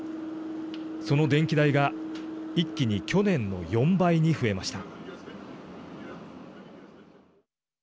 その電気代が一気に去年の４倍に増えました。